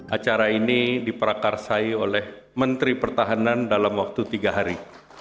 acara ini diperakarsai oleh menteri pertahanan dalam waktu tiga hari